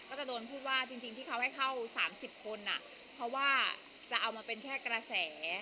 ก็จะโดนพูดว่าจริงที่เขาให้เข้า๓๐คนเพราะว่าจะเอามาเป็นแค่กระแส